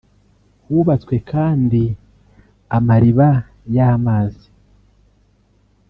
Hubatswe kandi amaliba y’amazi